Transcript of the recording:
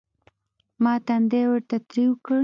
ما تندى ورته تريو کړ.